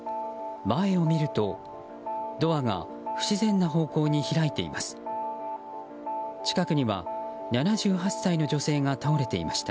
前を見るとドアが不自然な方向に開いています。